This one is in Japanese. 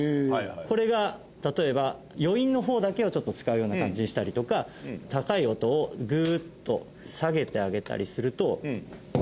これが例えば余韻の方だけをちょっと使うような感じにしたりとか高い音をグーッと下げてあげたりすると。